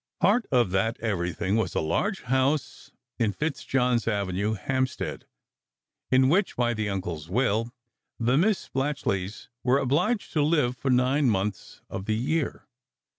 Part of that "everything" was a large house in Fitzjohn s Avenue, Hampstead, in which, by the uncle s will, the Miss Splatchleys were obliged to live for nine months of the year.